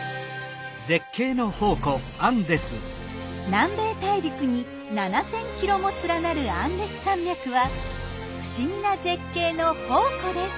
南米大陸に７，０００キロも連なるアンデス山脈は不思議な絶景の宝庫です。